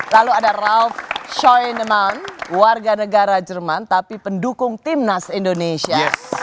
lalu ada ralf scheunemann warga negara jerman tapi pendukung timnas indonesia